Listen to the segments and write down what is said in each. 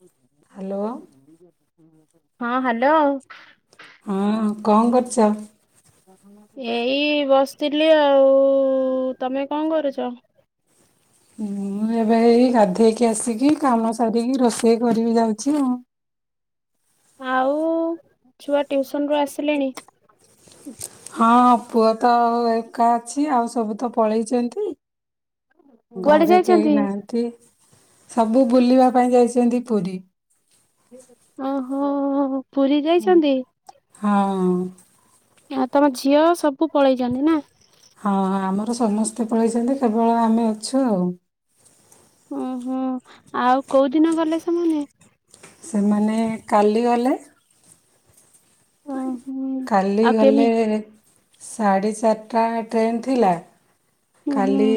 ହୁଁ ହୁଁଁ ହ୍ୟାଲୋ। [unintelligible] ହଁ ହ୍ୟାଲୋ। ହଁ, କଣ କରୁଛ? ଏଇ ବସିଥିଲି ଆଉ, ତମେ କଣ କରୁଛ? ମୁଁ ଏବେ ଏଇ ଗାଧେଇକି ଆସିକି କାମ ସାରିକି ରୋଷେଇ କରିବି ଯାଉଛି ଆଉ। ଆଉ ଛୁଆ ଟିଉସନରୁ ଆସିଲେଣି? ହଁ ପୁଅ ତ ଏକା ଅଛି ଆଉ ସବୁ ତ ପଳେଇଚନ୍ତି। କୁଆଡେ ଘରେ କେହି ଯାଇଛନ୍ତି? ନାହାନ୍ତି। ସବୁ ବୁଲିବା ପାଇଁ ଯାଇଛନ୍ତି ପୁରୀ। ଓହୋ। ପୁରୀ ହୁଁ ଯାଇଛନ୍ତି ହଁ। ଆ ତମ ଝିଅ ସବୁ ପଳେଇଛନ୍ତି ନା। ହଁ ଆମର ସମସ୍ତେ ପଳେଇଛନ୍ତି କେବଳ ଆମେ ଅଛୁ ଆଉ। ଉଁ ହୁଁ, ଆଉ କୋଉ ଦିନ ଗଲେ ସେମାନେ? ସେମାନେ କାଲି ଗଲେ। ଓହୋ କାଲି ଆଉ ଗଲେ କେମି ସାଢ଼େ ଚାରଟା ରେ ଟ୍ରେନ୍ ଥିଲା, ହୁଁ ହୁଁ ଖାଲି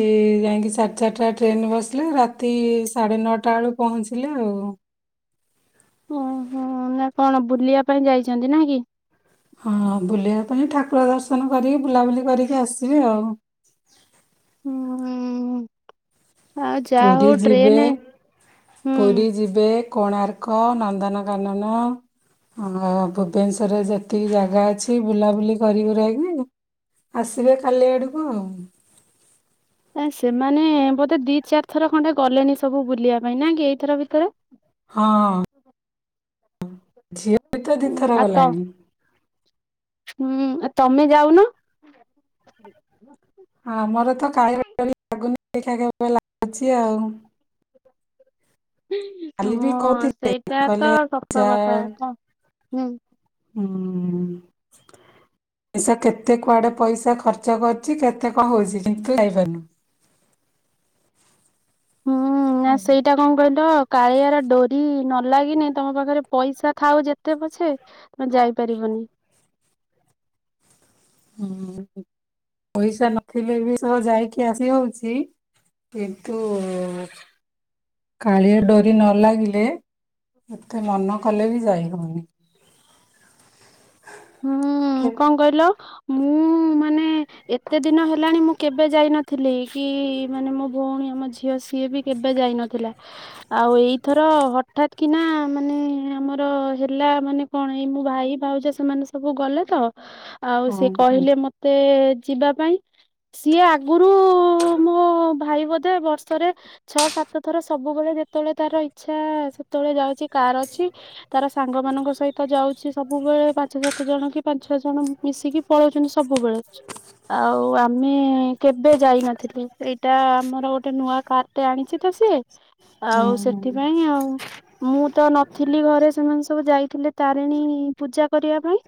ଯାଇଙ୍କି ସା ଚାରଟା ଟ୍ରେନ ବସିଲେ ରାତି ସାଢ଼େ ନଅଟା ବେଳକୁ ପହଞ୍ଚିଲେ ଆଉ। ଉଁ ହୁଁ ନା କଣ ବୁଲିବା ପାଇଁ ଯାଇଛନ୍ତି ନାଇଁ କି? ହଁ ବୁଲିବା ପାଇଁ, ଠାକୁର ଦର୍ଶନ କରିକି ବୁଲାବୁଲି କରିକି ଆସିବେ ଆଉ। ହୁଁ। ଆଉ ଯାହା ପୁରୀ ହଉ ଯିବେ, ଟ୍ରେନ ହୁଁ ପୁରୀ ଯିବେ। କୋଣାର୍କ, ନନ୍ଦନକାନନ ହଁ ଭୁବେନେଶ୍ୱରରେ ଯେତିକି ଜାଗା ଅଛି ବୁଲାବୁଲି କରିକୁରା ଆଇବେ ଆଉ। ଆସିବେ କାଲି ଆଡ଼କୁ ଆଉ। ଏ ସେମାନେ ବୋଧେ ଦି ଚାରି ଥର ଖଣ୍ଡେ ଗଲେନି ସବୁ ବୁଲିବା ପାଇଁ ନାଇଁ କି ଏଇଥର ଭିତରେ। ସେ ହଁ ଝିଅ ବି ତ ଦିଇଥର ତ ଗଲାଣି। ହୁଁ, ଅ ତମେ ଯାଉନ। ହଁ ଆମର ତ କାଳିଆ ଡୋ଼ରୀ ଲାଗୁନି [unintelligible] ଆଉ। କାଲି ବି ହଁ କହୁଥିଲେ ସେଇଟା ତ କହିଲେ ଯା ସତକଥା ହଁ, ହୁଁ। ହୁଁ। ପଇସା କେତେ କୁଆଡେ ପଇସା ଖର୍ଚ୍ଚ କରୁଛି କେତେ କଣ ହଉଛି କିନ୍ତୁ ଯାଇପାରୁନୁ। ହୁଁ ନା ସେଇଟା କଣ କହିଲ କାଳିଆର ଡୋ଼ରୀ ନଲାଗିନେ ତମ ପାଖରେ ପଇସା ଥାଉ ଯେତେ ପଛେ ତମେ ଯାଇପାରିବନି। ହୁଁ ପଇସା ନଥିଲେ ବି [unintelligible] ଯାଇକି ଆସି ହଉଛି କିନ୍ତୁ କାଳିଆ ଡୋ଼ରୀ ନ ଲାଗିଲେ ଯେତେ ମନ କଲେ ବି ଯାଇ ହଉନି। ହୁଁ କେ- କଣ କହିଲ ମୁଁ ମାନେ ଏତେ ଦିନ ହେଲାଣି ମୁଁ କେବେ ଯାଇନଥିଲି, କି ମାନେ ମୋ ଭଉଣୀ ଆମ ଝିଅ ସିଏ ବି କେବେ ଯାଇ ନଥିଲା। ଆଉ ଏଇଥର ହଠାତ୍ କିନା ମାନେ ଆମର ହେଲା ମାନେ କଣ ଏଇ ମୁଁ ଭାଇ ଭାଉଜ‌ ସେମାନେ ସ ସବୁ ଗଲେ ତ ଆଉ ହଁ ସିଏ ହଁ କହିଲେ ମତେ ଯିବା ପାଇଁ ସିଏ ଆଗରୁ ମୋ ଭାଇ ବୋଧେ ବର୍ଷରେ ଛଅ ସାତ ଥର ସବୁବେଳେ ଯେତେବେଳେ ତାର ଇଚ୍ଛା ସେତେବେଳେ ଯାଉଛି। କାର ଅଛି ତାର ସାଙ୍ଗମାନଙ୍କ ସହିତ ଯାଉଛି ସବୁବେଳେ ପାଞ୍ଚ ସାତ ଜଣ କି ପାଞ୍ଚ ଛଅ ଜଣ ମିଶିକି ପଳଉଛନ୍ତି ସବୁବେଳେ ଆଉ ଆମେ କେବେ ଯାଇନଥିଲି ଏଇଟା ଆମର ଗୋଟେ ନୂଆ କାର ଗୋଟେ ଆଣିଛି ତ ସିଏ। ହୁଁ ଆଉ ହୁଁ ସେଥିପାଇଁ ଆଉ ମୁଁ ତ ନଥିଲି ଘରେ ସେମାନେ ସବୁ ଯାଇଥିଲେ ତାରିଣୀ ପୂଜା କରିବା ପାଇଁ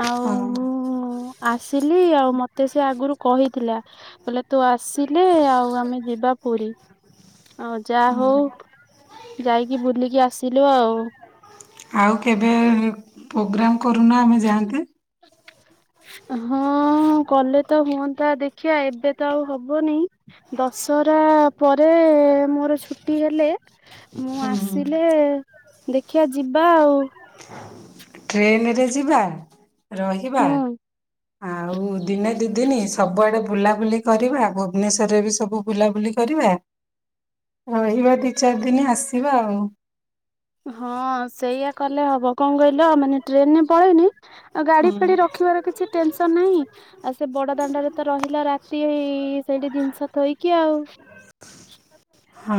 ଆଉ ହଁ ମୁଁ ଆସିଲି ଆଉ ମତେ ସେ ଆଗରୁ କହିଥିଲା କଇଲା ତୁ ଆସିଲେ ଆଉ ଆମେ ଯିବା ପୁରୀ। ହଉ ଯାହା ହଉ ଯାଇକି ବୁଲିକି ଆସିଲୁ ଆଉ। ଆଉ କେବେ ପୋଗ୍ରାମ୍ କରୁନ ଆମେ ଯାଆନ୍ତେ? ହଁ କଲେ ତ ହୁଅନ୍ତା ଦେଖିବା ଏବେ ତ ଆଉ ହବନେଇଁ ଦଶହରା ପରେ ମୋର ଛୁଟି ହେଲେ ମୁଁ ହୁଁ ଆସିଲେ ଦେଖିବା ଯିବା ଆଉ। ହ ଟ୍ରେନରେ ଯିବା, ରହିବା ହୁଁ। ଆଉ ଦିନେ ଦିଦିନି ସବୁଆଡେ ବୁଲାବୁଲି କରିବା ଭୁବନେଶ୍ଵରରେ ବି ସବୁ ବୁଲାବୁଲି କରିବା ରହିବା ଦି ଚାରି ଦିନି ଆସିବା ଆଉ। ହଁ ସେଇଆ କଲେ ହବ, କଣ କହିଲ ଆ ମାନେ ଟ୍ରେନରେ ପଳେଇନି ଆଉ ଗାଡି ଫାଡି ରଖିବାର କିଛି ଟେନସନ ନାହିଁ ଆଉ ସେ ବଡ ଦାଣ୍ଡାରେ ତ ରହିଲା ରାତି ହେଇ ସେଇଠି ଜିନିଷ ଥୋଇକି ଆଉ। [inaudible] ହଁ।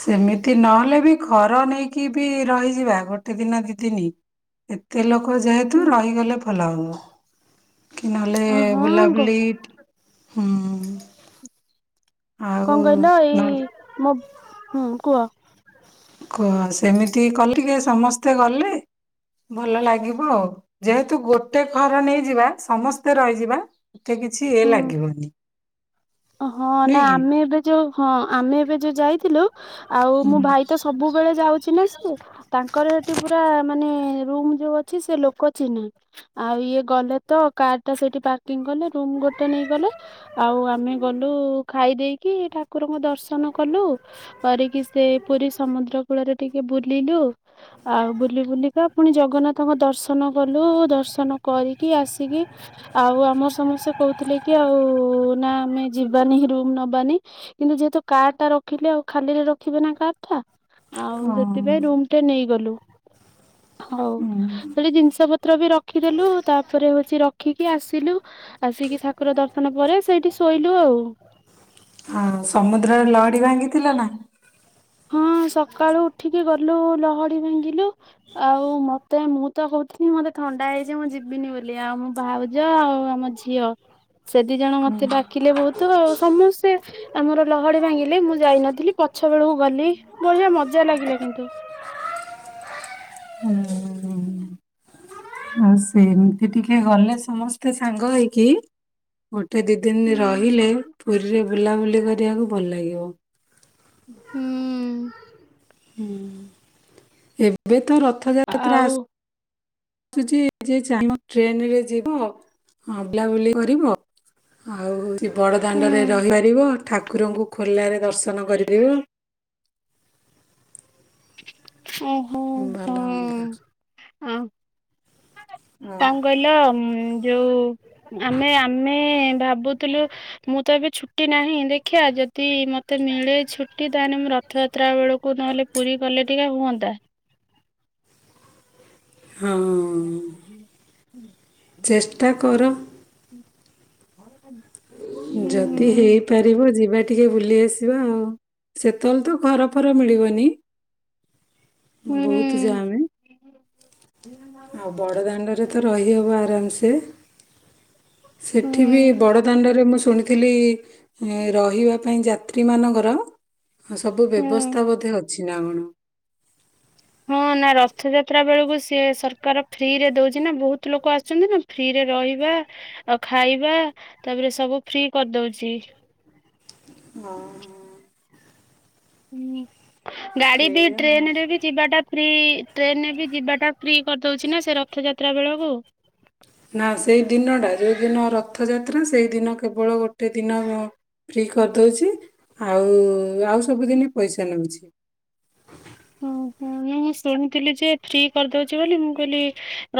ସେମିତି ନହେଲେ ବି ଘର ନେଇକି ବି ରହିଯିବା ଗୋଟେ ଦିନ ଦି ଦିନି। ଏତେ ଲୋକ ଯେହେତୁ ରହିଗଲେ ଭଲ ହବ। କି ନହଲେ ହଁ ଗ ବୁଲାବୁଲି ହୁଁ ଆଉ କଣ କହିଲ, ନହେଲେ ଏଇ ମୋ ହୁଁ କୁହ? କୁହ ସେମିତି କଲେ ଟିକେ ସମସ୍ତେ ଗଲେ ଭଲ ଲାଗିବ ଆଉ ଯେହେତୁ ଗୋଟେ ଘର ନେଇଯିବା ସମସ୍ତେ ରହିଯିବା। ଏତେ କିଛି ଇଏ ହୁଁ। ଲାଗିବନି। ହଁ ନା ନୁହେଁ କି? ଆମେ ଏବେ ଯୋଉ ହଁ ଆମେ ଏବେ ଯୋଉ ଯାଇଥିଲୁ ଆଉ ହଁ ମୋ ଭାଇ ତ ସବୁବେଳେ ଯାଉଛି ନା ତାଙ୍କର ହେଠି ପୁରା ମାନେ ରୁମ ଯୋଉ ଅଛି, ସେ ଲୋକ ଚିହେଁ। ଆଉ ଇଏ ଗଲେ ତ, କାର ଟା ସେଇଠି ପାର୍କିଂ କଲେ, ରୁମ ଗୋଟେ ନେଇ ଗଲେ, ଆଉ ଆମେ ଗଲୁ ଖାଇ ଦେଇକି, ଠାକୁରଙ୍କ ଦର୍ଶନ କଲୁ। କରିକି ସେ ପୁରୀ ସମୁଦ୍ର କୂଳରେ ଟିକେ ବୁଲିଲୁ। ଆଉ ବୁଲି ବୁଲିକା ପୁଣି ଜଗନ୍ନାଥଙ୍କ ଦର୍ଶନ କଲୁ, ଦର୍ଶନ କରିକି ଆସିକି ଆଉ ଆମର ସମସ୍ତେ କହୁଥିଲେ କି, ଆଉ ନା ଆମେ ଯିବାନି, ରୁମ ନବାନି, କିନ୍ତୁ ଯେହେତୁ କାର୍ ଟା ରଖିଲେ ଆଉ ଖାଲିରେ ରଖିବେ ନା କାର୍ ଟା? ଆଉ ସେଥିପାଇଁ ରୁମ ଟେ ନେଇଗଲୁ, ହଉ, ହୁଁ ସେଠି ଜିନିଷ ପତ୍ର ବି ର ରଖିଦେଲୁ, ତାପରେ ହଉଚି ରଖିକି ଆସିଲୁ, ଆସିକି ଠାକୁର ଦର୍ଶନ ପରେ ସେଇଠି ଶୋଇ କଲୁ ଆଉ। ହଁ, ସମୁଦ୍ରରେ ଲହଡି ଭାଙ୍ଗିଥିଲ ନା? ହଁ ସକାଳୁ ଉଠିକି ଗଲୁ, ଲହଡି ଭାଙ୍ଗିଲୁ। ଆଉ ମତେ ମୁଁ ତ କହୁଥିଲି ମତେ ଥଣ୍ଡା ହେଇଚି ମୁଁ ଯିବିନି ବୋଲି, ଆଉ ମୋ ଭାଉଜ ଆଉ ଆମ ଝିଅ ଝିଅ, ସେ ଦି ଜଣ ମତେ ଡାକିଲେ ବହୁତ ଆଉ ସମସ୍ତେ ଆମର ଲହଡି ଭାଙ୍ଗିଲେ, ମୁଁ ଯାଇନଥିଲି, ପଛ ବେଳକୁ ଗଲି, ବଢିଆ ମଜା ଲାଗିଲା କିନ୍ତୁ। ହୁଁ ଉଁ ଉଁ ଉ। ଏମିତି ଟିକେ ଗଲେ ସମସ୍ତେ ସାଙ୍ଗ ହେଇକି ଗୋଟେ ଦି ଦିନ ହୁଁ ରହିଲେ, ପୁରୀରେ ବୁଲାବୁଲି କରିବାକୁ ଭଲ ଲାଗିବ। ହୁଁ। ହୁଁ, ଏବେ ତ ରଥଯାତ୍ରା ଆଉ ଆସୁ କିନ୍ତୁ ଯିଏ ଚାହିଁବ ଟ୍ରେନରେ ଯିବ, ହଁ, ବୁଲାବୁଲି କରିବ। ଆଉ ବଡ଼ଦାଣ୍ଡରେ ହୁଁ ରହିପାରିବ, ଠାକୁରଙ୍କୁ ଖୋଲାରେ ଦର୍ଶନ କରିଦେବ। ଓ। ହୁଁ, ଭଲ ହୁଅନ୍ତା। ଆଉଁ, ଆଉ ତାଙ୍କୁ କହିଲ ଯଉ ଆମେ, ଆମେ ଭାବୁଥିଲୁ ମୁଁ ତ ଏବେ ଛୁଟି ନାହିଁ ଦେଖିବା ଯ ଯଦି ମତେ ମିଳେ ଛୁଟି, ତାହେଲେ ମୁଁ ରଥଯାତ୍ରା ବେଳକୁ ନହେଲେ ନହେଲେ ପୁରୀ କଲେ ଟିକେ ହୁଅନ୍ତା। ହଁ, ଚେଷ୍ଟା କର। ଯଦି ହୁଁ ହେଇପାରିବ, ଯିବା ଟିକେ ବୁଲି ଆସିବା ଆଉ। ସେତେବେଳେ ତ ଘର ଫର ମିଳିବନି? ବହୁତ ହୁଁ ଯାମେ। ଆଉ ବଡ଼ଦାଣ୍ଡରେ ତ ରହିହେବ ଆରାମସେ, ହୁଁ ସେଠି ବି ବଡ଼ ଦାଣ୍ଡରେ ମୁଁ ଶୁଣିଥିଲି ରହିବା ପାଇଁ ଯାତ୍ରୀ ମାନଙ୍କର ହଁ, ସବୁ ହୁଁ। ବ୍ୟବସ୍ଥା ବୋଧେ ଅଛି ନା କଣ? ହଁ, ନା ରଥଯାତ୍ରା ବେଳକୁ ସିଏ ସରକାର ଫ୍ରି ରେ ଦଉଚି ନା, ବହୁତ ଲୋକ ଆସୁଚନ୍ତି ନା? ଫ୍ରିରେ ରହିବା, ଆଉ ଖାଇବା, ତାପରେ ସବୁ ଫ୍ରି କରିଦଉଚି। ହଁ। ହୁଁ, ଗାଡି ବି ସେଇଆ ଟ୍ରେନ ଆଉ। ରେ ବି ଯିବାଟା ଫ୍ରି, ଟ୍ରେନରେ ବି ଯିବା ଟା ଫ୍ରି କରିଦଉଚି ନା, ସେ ରଥଯାତ୍ରା ବେଳକୁ। ନା ସେଇ ଦିନ ଟା, ଯୋଉ ଦିନ ରଥଯାତ୍ରା, ସେଇ ଦିନ କେବଳ ଗୋଟେ ଦିନ ଫ୍ରି କରିଦଉଚି, ଆଉ, ଆଉ ସବୁଦିନେ ପଇସା ନଉଚି। [unintelligible] ମୁଁ ଶୁଣିଥିଲି ଯେ, ଫ୍ରୀ କରିଦଉଚି ବୋଲି, ମୁଁ କହିଲି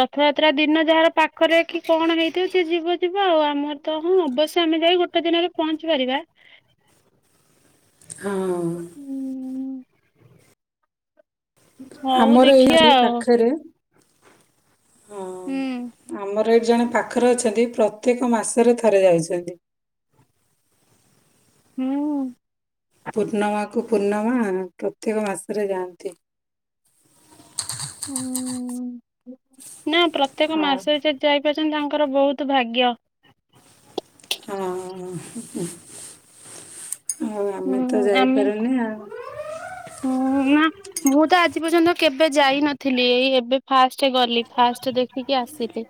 ରଥଯାତ୍ରା ଦିନ ଯାହାର ପା ପାଖରେ କିି କଣ ହେଇଥିବ ଯେ ଯିବ ଯିବ ଆଉ, ଆମର ତ, ହଁ ଅବଶ୍ୟ ଆମେ ଯାଇ ଗୋଟେ ଦିନରେ ପହଞ୍ଚି ପାରିବା। ହଁ ହୁଁ। ହଉ ଆମର ଦେଖିବା ଏଇ ଆଉ ପାଖରେ ହଁ ହୁଁ ଆମର ଏଇଠି ଜଣେ ପାଖରେ ଅଛନ୍ତି ପ୍ରତ୍ୟେକ ମାସରେ ଥରେ ଯାଉଛନ୍ତି। ହୁଁ। ପୂର୍ଣ୍ଣିମାକୁ ପୂର୍ଣ୍ଣିମା ପ୍ରତ୍ୟେକ ମାସରେ ଯାଆନ୍ତି। ହଁ ନା ପ୍ରତ୍ୟେକ ଆଉ ମାସରେ ଯ ଯାଇପାରୁଛନ୍ତି ତାଙ୍କର ବହୁତ ଭାଗ୍ୟ। ହଁ ଆଉ ହୁଁ ଆମେ ତ ଆମେ ଯାଇପାରୁନି ଆଉ। ହୁଁ ନା ମୁଁ ତ ଆଜି ପର୍ଯ୍ୟନ୍ତ କେବେ ଯାଇ ନଥିଲି ଏଇ ଏବେ ଫାଷ୍ଟ ଗଲି ଫାଷ୍ଟ ଦେଖିକି ଆସିଲି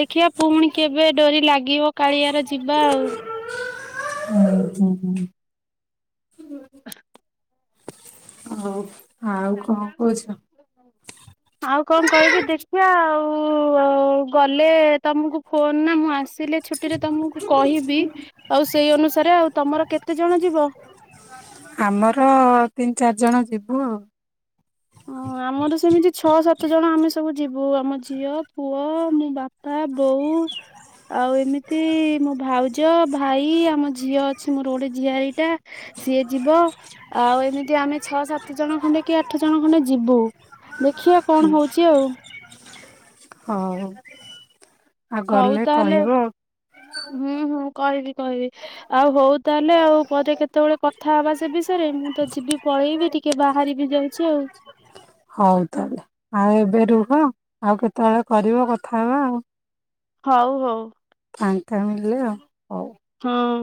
ଦେଖିବା ପୁଣି କେବେ ଡୋରି ଲାଗିବ କାଳିଆର ଯିବା ଆଉ। ହୁଁ ହୁଁ ହୁଁ। ହଉ। ଆଉ କଣ କହୁଛ? [inaudible] ଆଉ କଣ କହିବି ଦେଖିବା ଆଉ ଗଲେ ତମକୁ ଫୋନ ନା ମୁଁ ଆସ ଥିଲେ ଛୁଟିରେ ତମକୁ କହିବି ଆଉ ସେଇ ଅନୁସାରେ ଆଉ ତମର କେତେ ଜଣ ଯିବ? ଆମର ତିନି ଚାରି ଜଣ ଯିବୁ ଆଉ। ହଁ ଆମର ସେମିତି ଛଅ ସାତ ଜଣ ଆମେ ସବୁ ଯିବୁ ଆମ ଝିଅ ପୁଅ ମୁଁ ବା ପା ବୋଉ। ଆଉ ଏମିତି ମୋ ଭାଉଜ ଭାଇ ଆମ ଝିଅ ଅଛି ମୋର ଗୋଟେ ଝିଆରୀ ଟା। ସିଏ ଯିବ ଆଉ ଏମିତି ଆମେ ଛଅ ସାତ ଜଣ ଖଣ୍ଡେକି ଆଠ। ଜଣ ଖଣ୍ଡେ ଯିବୁ ଦେଖିବା କଣ ହଉଛି ଆଉ। ହଉ। ଆଉ ହଉ ଗଲେ ତାହେଲେ କହିବ ଆଉ। ହୁଁ ହୁଁ କହିବି କହିବି। ଆଉ ହଉ ତାହେଲେ ଆଉ ପରେ କେତେବେଳେ କଥା ହେବା ସେ ବିଷୟରେ ମୁଁ ତ ଯିବି ପଳେଇବି ଟି କେ ବାହାରି ବି ଯାଉଛି ଆଉ। ହଉ ତାଲେ ଆଉ ଏବେ ରୁହ ଆଉ କେତବଳେ କରିବ କଥା ହବା ଆଉ। ହଉ ହଉ। ଫାଙ୍କା ମିଳିଲେ ଆଉ ହଉ। ହଁ